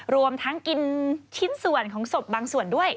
รวมทั้งกินชิ้นส่วนของศพบางส่วนด้วย